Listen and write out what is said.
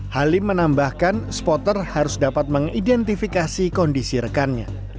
halim menambahkan supporter harus dapat mengidentifikasi kondisi rekannya